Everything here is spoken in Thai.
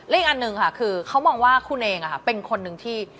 อีกอันหนึ่งค่ะคือเขามองว่าคุณเองเป็นคนหนึ่งที่